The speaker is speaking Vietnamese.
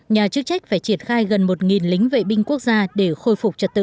nhà chức trách phải triển khai gần một lính vệ binh quốc gia để khôi phục trật tự